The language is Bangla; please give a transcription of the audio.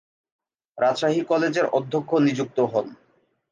রাজশাহী কলেজের অধ্যক্ষ নিযুক্ত হন।